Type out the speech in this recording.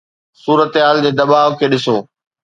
صورتحال جي دٻاء کي ڏسو.